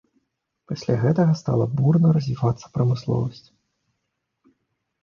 Пасля гэтага стала бурна развівацца прамысловасць.